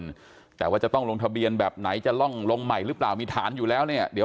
ก็เอาไว้ข้างหน้าอย่างแม่งโทงแข็งแรงอย่างยั่งอยู่